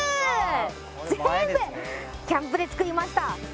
全部キャンプで作りました。